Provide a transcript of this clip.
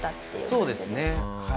そうですねはい。